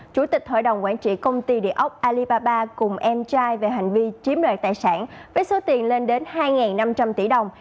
chủ tịch hội đồng quản trị công ty địa ốc alibaba cùng em trai về hành vi chiếm đoạt tài sản với số tiền lên đến hai năm trăm linh tỷ đồng